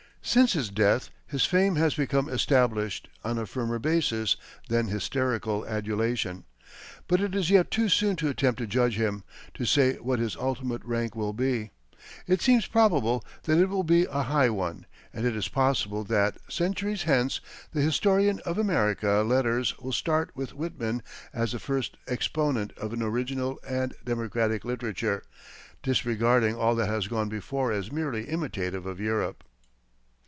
Since his death, his fame has become established on a firmer basis than hysterical adulation; but it is yet too soon to attempt to judge him, to say what his ultimate rank will be. It seems probable that it will be a high one, and it is possible that, centuries hence, the historian of American letters will start with Whitman as the first exponent of an original and democratic literature, disregarding all that has gone before as merely imitative of Europe.